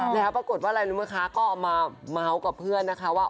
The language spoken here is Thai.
แล้วปรากฏว่าเรื่องเมื่อกี้ก็เอามาเมาท์กับเพื่อนนะคะว่า